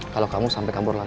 kalau kamu sampai kampung lagi